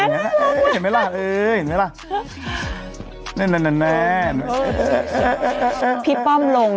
อันนี้น่ารักมากเห็นไหมล่ะเออเห็นไหมล่ะนี่นี่นี่พี่ป้อมลง